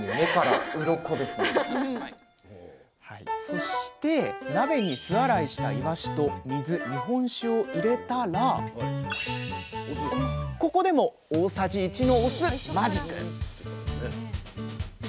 そして鍋に酢洗いしたいわしと水日本酒を入れたらここでも大さじ１のお酢マジック！